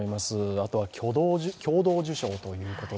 あとは共同受賞ということで。